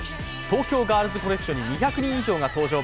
東京ガールズコレクションに２００人以上が登場。